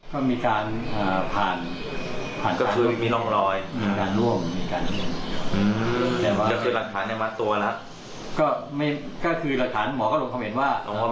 ก็อยู่ที่ดูมินิตของสารแล้วว่าสารจะตัดสินยังไงใช่ไหมครับ